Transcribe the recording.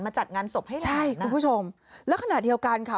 จัดงานศพให้ใช่คุณผู้ชมแล้วขณะเดียวกันค่ะ